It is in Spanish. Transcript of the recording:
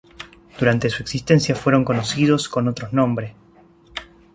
Durante su existencia fueron conocidos con otros nombre.